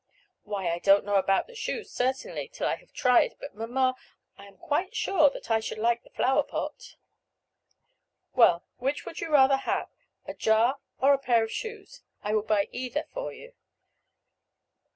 "Why, I don't know about the shoes, certainly, till I have tried; but, mamma, I am quite sure that I should like the flower pot." "Well, which would you rather have, a jar or a pair of shoes? I will buy either for you."